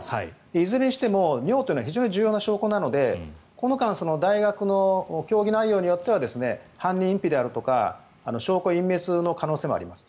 いずれにしても尿というのは非常に重要な証拠なのでこの間大学の協議内容によっては犯人隠避であるとか証拠隠滅の可能性もあります。